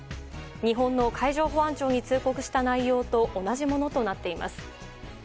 日本の海上保安庁に通告した内容と同じものとなっています。